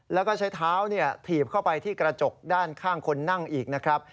แล้วก็ใช้เท้าถีบเข้าไปที่กระจกด้านข้างคนนั่งอีกนะครับ